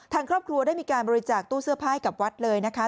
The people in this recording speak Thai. ทางครอบครัวได้มีการบริจาคตู้เสื้อผ้าให้กับวัดเลยนะคะ